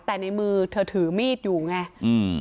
แต่ในมือเธอถือมีดอยู่ไงอืม